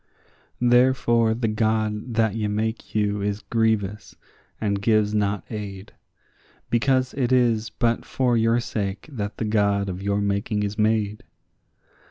Therefore the God that ye make you is grievous, and gives not aid, Because it is but for your sake that the God of your making is made.